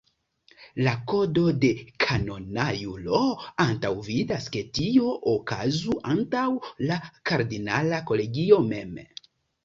La kodo de kanona juro antaŭvidas ke tio okazu antaŭ la kardinala kolegio mem.